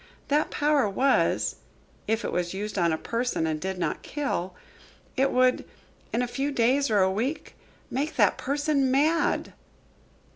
That power was, if it was used on a person and did not kill it would, in a few days or a week, make that person mad."